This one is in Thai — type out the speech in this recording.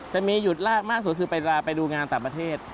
จะมีหยุดลากมากสุดคือไปดูงานต่างประเทศ